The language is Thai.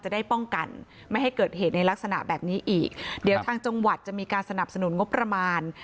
จะได้ป้องกันไม่ให้เกิดเหตุในลักษณะแบบนี้อีกเดี๋ยวทางจังหวัดจะมีการสนับสนุนงบประมาณ